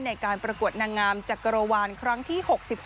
ในการประกวดนางงามจักรวาลครั้งที่๖๖